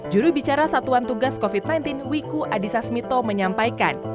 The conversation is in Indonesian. juru bicara satuan tugas covid sembilan belas wiku adhisa smito menyampaikan